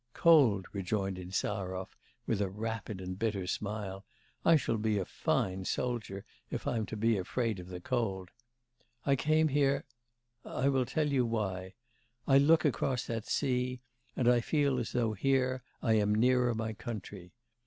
'Cold!' rejoined Insarov with a rapid and bitter smile, 'I shall be a fine soldier, if I'm to be afraid of the cold. I came here... I will tell you why. I look across that sea, and I feel as though here, I am nearer my country.